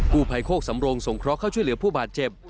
กู้ไพโครกสำโลงสงคร็อคเข้าช่วยเหลือผู้บาดเจ็บ